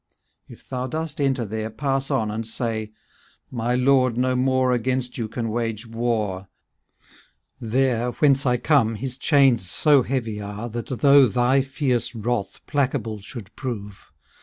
If thou dost enter there, pass on, and say, """ My lord no more against you can wage war. There, whence I come, his chains so heavy are, That, though thy fierce wrath placable should prove.